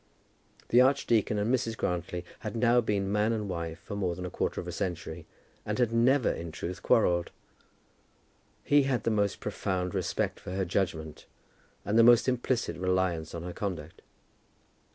The archdeacon and Mrs. Grantly had now been man and wife for more than a quarter of a century, and had never in truth quarrelled. He had the most profound respect for her judgment, and the most implicit reliance on her conduct.